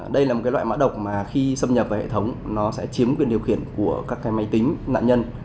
đây là một cái loại mã độc mà khi xâm nhập vào hệ thống nó sẽ chiếm quyền điều khiển của các cái máy tính nạn nhân